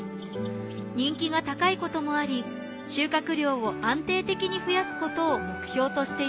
人気が高い事もあり収穫量を安定的に増やす事を目標としています。